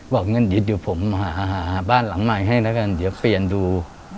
บอกงั้นเดี๋ยวผมหาบ้านหลังใหม่ให้แล้วกันเดี๋ยวเปลี่ยนดู